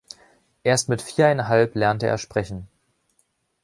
Erst mit viereinhalb lernte er sprechen.